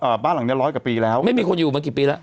บ้านหลังเนี้ยร้อยกว่าปีแล้วไม่มีคนอยู่มากี่ปีแล้ว